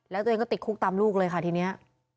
แล้วตัวเองก็ติดคุกตามลูกเลยค่ะทีนี้